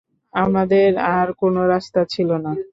আমাদের আর কোনো রাস্তা ছিল না।